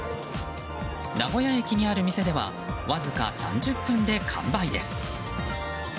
名古屋駅にある店ではわずか３０分で完売です。